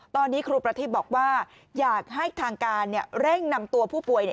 ตอนนี้ครูประทีบบอกว่าอยากให้ทางการเร่งนำตัวผู้ป่วยเนี่ย